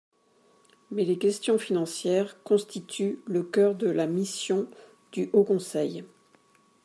Mais les questions financières constituent le cœur de la mission du Haut conseil.